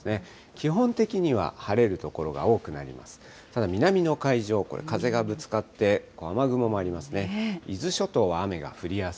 基本的には晴れる所が多くなります。